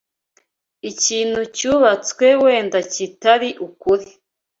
Ikintu cyubatswe wenda kitari ukuri